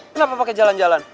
kenapa pake jalan jalan